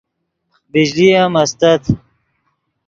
بجلی ام استت